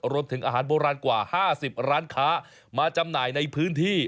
รวมถึงอาหารโบราณกว่า๕๐ร้านค้ามาจำหน่ายในพื้นที่